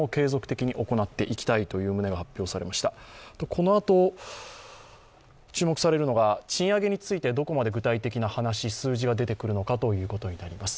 このあと、注目されるのが賃上げについてどこまで具体的な話、数字が出てくるのかということになります。